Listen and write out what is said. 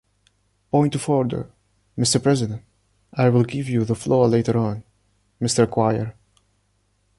Point of order, Mr. President! I will give you the floor later on, Mr. Accoyer.